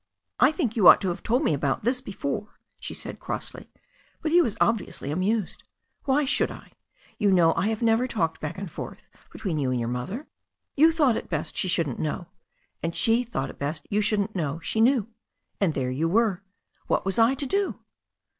"I think you ought to have told me about this before," she said crossly. But he was obviously amused. "Why should I ? You know I have never talked back and forth between you and your mother. You thought it best she shouldn't know, and she thought it best you shouldn't know she knew. And there you were. What was I to do?"